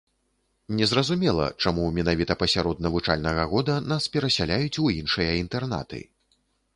Незразумела, чаму менавіта пасярод навучальнага года нас перасяляюць у іншыя інтэрнаты.